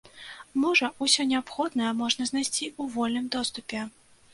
Можа, усё неабходнае можна знайсці ў вольным доступе?